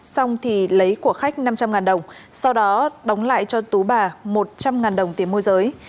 xong thì lấy của khách năm trăm linh đồng sau đó đóng lại cho tú bà một trăm linh đồng tiền môi giới